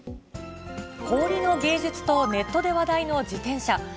氷の芸術とネットで話題の自転車。